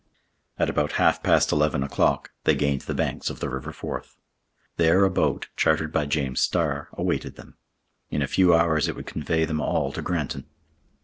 At about half past eleven o'clock, they gained the banks of the river Forth. There a boat, chartered by James Starr, awaited them. In a few hours it would convey them all to Granton.